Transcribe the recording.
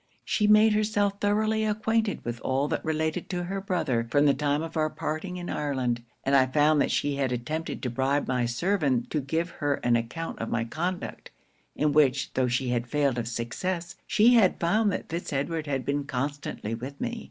She made herself thoroughly acquainted with all that related to her brother, from the time of our parting in Ireland; and I found that she had attempted to bribe my servant to give her an account of my conduct; in which tho' she had failed of success, she had found that Fitz Edward had been constantly with me.